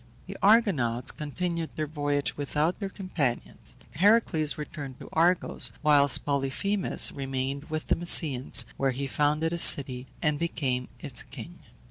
The Argonauts continued their voyage without their companions; Heracles returned to Argos, whilst Polyphemus remained with the Mysians, where he founded a city and became its king.